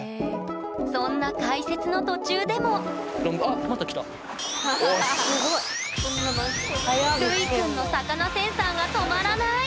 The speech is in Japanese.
そんな解説の途中でもるいくんの魚センサーが止まらない！